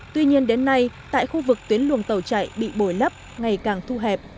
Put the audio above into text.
tuy nhiên đến nay tại khu vực tuyến luồng tàu chạy bị bồi lấp ngày càng thu hẹp